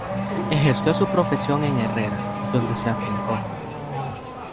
Ejerció su profesión en Herrera, donde se afincó.